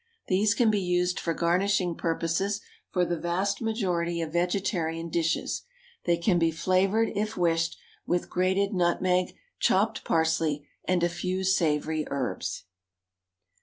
These can be used for garnishing purposes for the vast majority of vegetarian dishes. They can be flavoured if wished with grated nutmeg, chopped parsley, and a few savoury herbs.